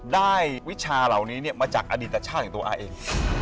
วิชาเหล่านี้มาจากอดิตชาติของตัวอาเอง